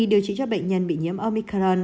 điều trị cho bệnh nhân bị nhiễm omicron